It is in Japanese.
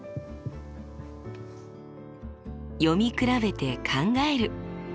読み比べて考える。